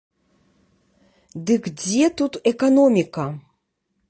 Дык дзе тут эканоміка?